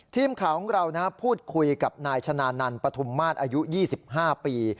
ทีมข่าวของเราพูดคุยกับนายชนะนันต์ปฐุมมาตรอายุ๒๕ปี